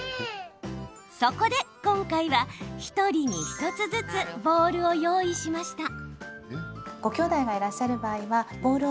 そこで今回は、１人に１つずつボウルを用意しました。